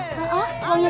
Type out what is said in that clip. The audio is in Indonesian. ambil ambil semuanya